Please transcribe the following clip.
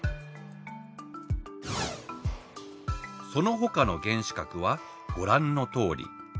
そのほかの原子核はご覧のとおり。